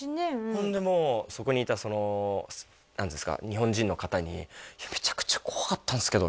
ほんでもうそこにいた何ていうんですか日本人の方に「めちゃくちゃ怖かったんですけど」